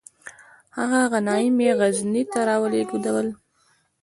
هغه غنایم یې غزني ته را ولیږدول.